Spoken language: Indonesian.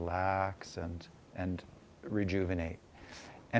dan pada saat yang sama kami berada di hutan